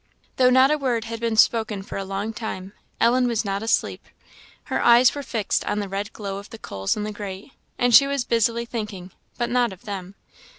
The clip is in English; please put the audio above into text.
Though not a word had been spoken for a long time, Ellen was not asleep; her eyes were fixed on the red glow of the coals in the grate, and she was busily thinking, but not of them.